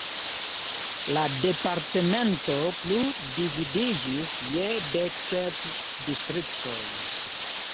La departemento plu dividiĝis je dek sep distriktoj.